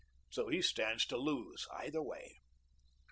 So he stands to lose either way."